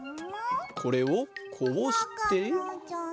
これをこうして。